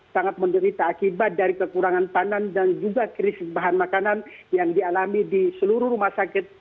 sangat menderita akibat dari kekurangan panan dan juga krisis bahan makanan yang dialami di seluruh rumah sakit